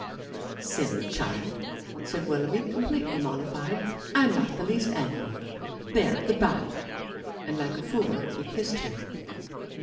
'Silly child!' said Willoughby, completely mollified, 'I'm not the least angry. There, goodbye!' and like a fool he kissed her.